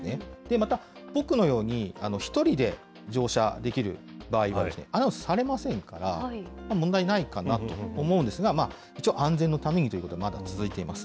また、僕のように１人で乗車できる場合はアナウンスされませんから、問題ないかなと思うんですが、一応、安全のためにということで、まだ続いています。